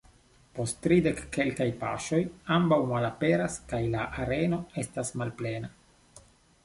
Post tridek-kelkaj paŝoj ambaŭ malaperas kaj la areno estas malplena.